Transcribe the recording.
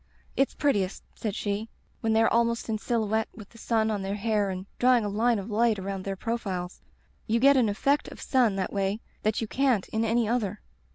*It's prettiest/ said she, *when they are ahnost in silhouette with the sun on their hair and drawing a line of light around their profiles. You get an effect of sun that way that you can't in any other.'